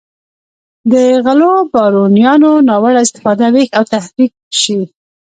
د غلو بارونیانو ناوړه استفاده ویښ او تحریک شي.